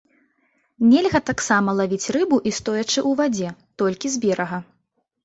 Нельга таксама лавіць рыбу і стоячы ў вадзе, толькі з берага.